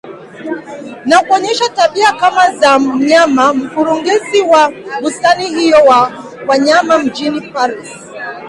na kuonyesha tabia kama za mnyama mkurugenzi wa bustani hiyo ya wanyama mjini Paris